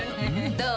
どう？